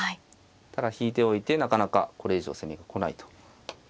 ただ引いておいてなかなかこれ以上攻めが来ないと。